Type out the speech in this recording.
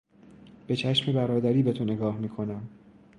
به چشم برادری به تو نگاه میکنم.